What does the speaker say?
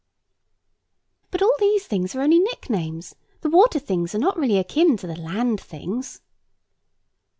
"But all these things are only nicknames; the water things are not really akin to the land things."